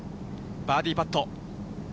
バーディーパット。